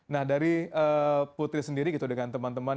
nah dari putri sendiri gitu dengan teman teman